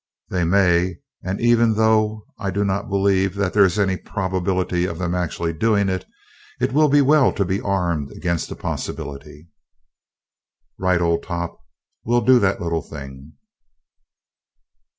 "They may and even though I do not believe that there is any probability of them actually doing it, it will be well to be armed against the possibility." "Right, old top we'll do that little thing!"